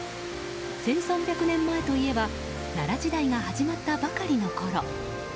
１３００年前といえば奈良時代が始まったばかりのころ。